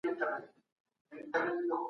د ټولني جوړښت په تفصیل سره تشریح سوی دی.